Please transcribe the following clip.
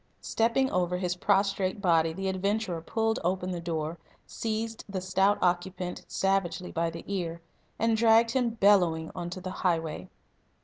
Stepping over his prostrate body the adventurer pulled open the door, seized the stout occupant savagely by the ear, and dragged him bellowing on to the highway.